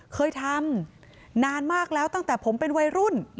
เคยทำนานมากแล้วตั้งแต่ผมเป็นวัยรุ่น